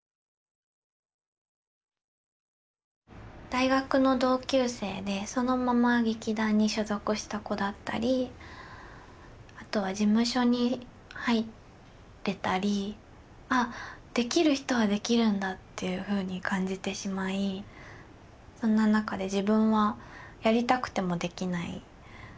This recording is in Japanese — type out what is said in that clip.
大学の同級生でそのまま劇団に所属した子だったりあとは事務所に入ってたり「あできる人はできるんだ」っていうふうに感じてしまいそんな中で自分はやりたくてもできない。